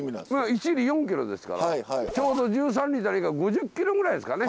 １里４キロですからちょうど１３里５０キロぐらいですかね